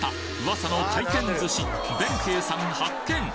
噂の回転寿司弁慶さん発見！